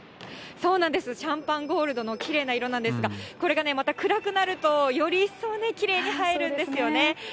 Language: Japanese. そうなんです、シャンパンゴールドのきれいな色なんですが、これがまた暗くなると、より一層きれいに映えるんですよね。